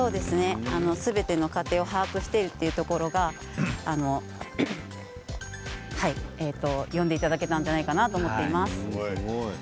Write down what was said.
すべての過程を把握しているというところが呼んでいただけたのではないかなと思っています。